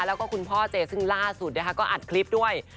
แล้วก็คุณพ่อเจซึ่งล่าสุดนะคะก็อัดคลิปด้วย